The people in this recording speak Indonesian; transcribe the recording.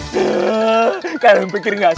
gak mau yang namanya naik tembok lagi